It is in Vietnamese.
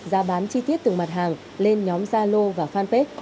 ra bán chi tiết từng mặt hàng lên nhóm zalo và fanpage